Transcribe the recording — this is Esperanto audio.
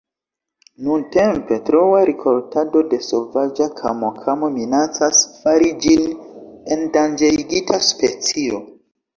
Nuntempe troa rikoltado de sovaĝa kamokamo minacas fari ĝin endanĝerigita specio.